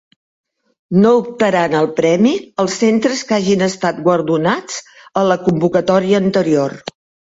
No optaran al premi els centres que hagin estat guardonats a la convocatòria anterior.